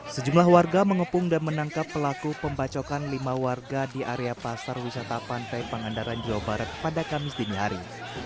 sejumlah warga mengepung dan menangkap pelaku pembacokan lima warga di area pasar wisata pantai pangandaran jawa barat pada kamis dini hari